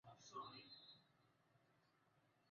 sasa mtazamo wa afya ya ummaMkutano huo maalum uliitishwa na